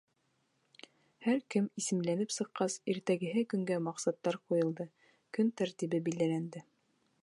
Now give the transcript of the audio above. Һәр кем исемләнеп сыҡҡас, иртәгәһе көнгә маҡсаттар ҡуйылды, көн тәртибе билдәләнде.